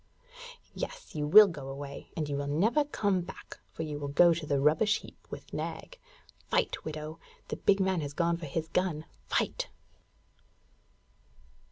'Yes, you will go away, and you will never come back; for you will go to the rubbish heap with Nag. Fight, widow! The big man has gone for his gun! Fight!'